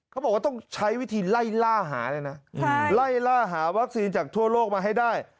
เขาบอกว่าต้องใช้วิธีไล่ล่าหาเลยนะไล่ล่าหาวัคซีนจากทั่วโลกมาให้ได้